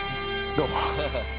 どうも。